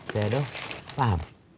caya doh paham